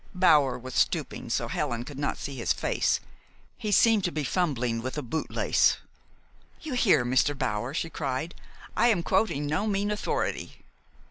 Bower was stooping, so Helen could not see his face. He seemed to be fumbling with a boot lace. "You hear, Mr. Bower?" she cried. "I am quoting no mean authority."